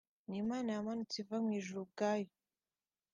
ni Imana yamanutse iva mu ijuru ubwayo